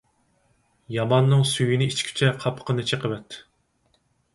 ياماننىڭ سۈيىنى ئىچكۈچە، قاپىقىنى چېقىۋەت.